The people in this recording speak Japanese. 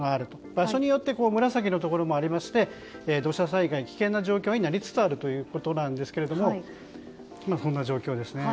場所によって紫のところもありまして土砂災害、危険な状況になりつつあるという状況です。